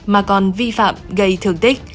mà còn vi phạm gây thường tích